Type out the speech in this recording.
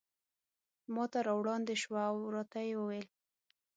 ماته را وړاندې شوه او راته ویې ویل.